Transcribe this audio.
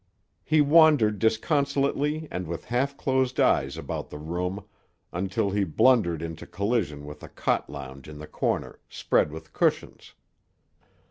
He wandered disconsolately and with half closed eyes about the room, until he blundered into collision with a cot lounge in the corner, spread with cushions.